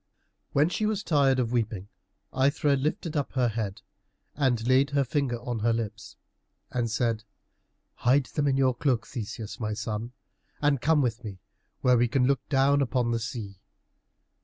When she was tired of weeping Aithra lifted up her head and laid her finger on her lips, and said, "Hide them in your cloak, Theseus, my son, and come with me where we can look down upon the sea."